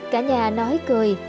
cả nhà nói cười